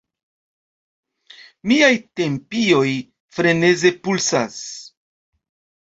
Miaj tempioj freneze pulsas.